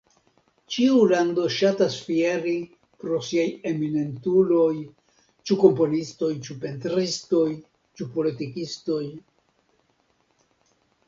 Ĉiu lando ŝatas fieri pro siaj eminentuloj, ĉu komponistoj, ĉu pentristoj, ĉu politikistoj...